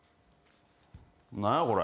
何やこれ？